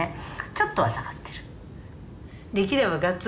ちょっとは下がってる。